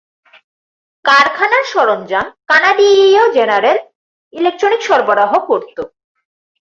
কারখানার সরঞ্জাম কানাডিয়ীয় general electronic সরবরাহ করত।